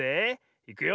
いくよ。